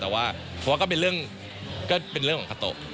แต่ว่าเพราะว่าก็เป็นเรื่องของคาโตะ